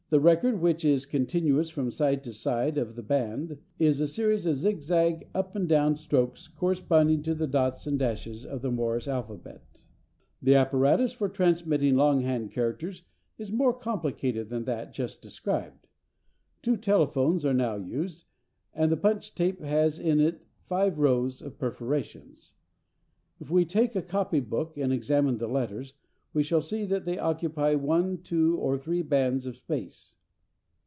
The record, which is continuous from side to side of the band, is a series of zigzag up and down strokes, corresponding to the dots and dashes of the Morse alphabet. The apparatus for transmitting longhand characters is more complicated than that just described. Two telephones are now used, and the punched tape has in it five rows of perforations. If we take a copy book and examine the letters, we shall see that they all occupy one, two, or three bands of space.